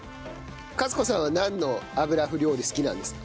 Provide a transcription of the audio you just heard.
勝子さんはなんの油麩料理好きなんですか？